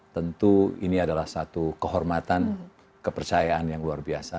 tentu ini adalah satu kehormatan kepercayaan yang luar biasa